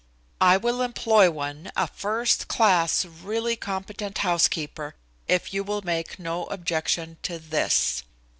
"I will employ one, a first class, really competent housekeeper, if you will make no objection to this."